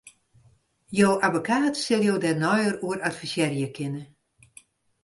Jo abbekaat sil jo dêr neier oer advisearje kinne.